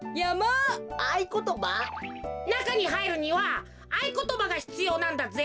なかにはいるにはあいことばがひつようなんだぜ。